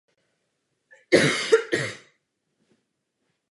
Doprava opravdu funguje jako podle švýcarských hodinek.